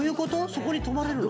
そこに泊まれるの？